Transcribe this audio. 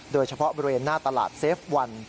โดยเฉพาะบริเวณหน้าตลาดเซฟวัน